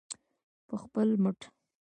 په خپل مټ.